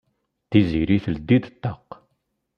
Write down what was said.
Tiziri teldi-d ṭṭaq.